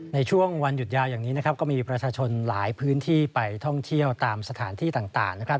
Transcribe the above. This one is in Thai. ในช่วงวันหยุดยาวอย่างนี้นะครับก็มีประชาชนหลายพื้นที่ไปท่องเที่ยวตามสถานที่ต่างนะครับ